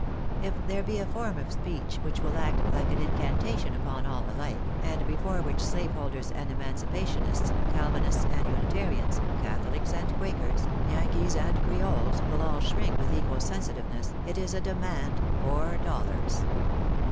If there be a form of speech which will act like an incantation upon all alike, and before which slaveholders and emancipationists, Cal Tinists and Unitarians, Catholics and Quakers, Yankees and Creoles, will all shrink with equal sensitiveness, it is a demand for dollars.